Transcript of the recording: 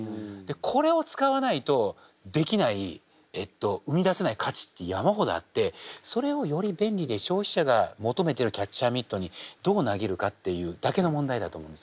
これを使わないとできない生み出せない価値って山ほどあってそれをより便利で消費者が求めてるキャッチャーミットにどう投げるかっていうだけの問題だと思うんですよ。